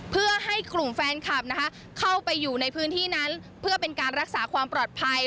เพื่อให้กลุ่มแฟนคลับนะคะเข้าไปอยู่ในพื้นที่นั้นเพื่อเป็นการรักษาความปลอดภัย